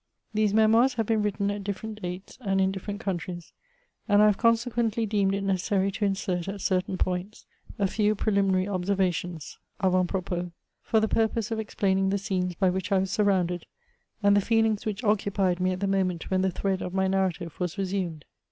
These Memoirs have been written at different dates, and in different countries, and I have consequently deemed it necessary to insert, at certain points, a few prehminary ob servations (avant propos) for the purpose of explaining the scenes by which I was surrounded, and the feelings which occupied me at the moment when the thread of my narrative was resumed.